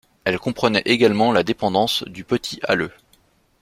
Elle comprenait également la dépendance de Petit-Halleux.